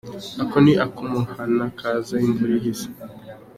Ako ni akimuhana kaza imvura ihise.